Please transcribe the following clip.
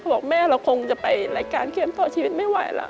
บอกแม่เราคงจะไปรายการเกมต่อชีวิตไม่ไหวแล้ว